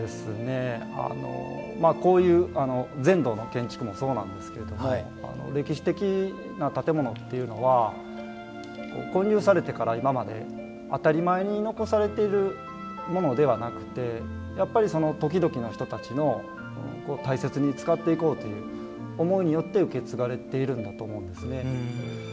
こういう禅堂の建築もそうなんですけど歴史的な建物というのは建立されてから今まで当たり前に残されているものではなくてやっぱり時々の人たちの大切に使っていこうという思いによって受け継がれているんだと思うんですね。